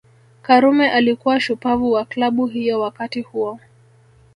Karume alikuwa shupavu wa Klabu hiyo wakati huo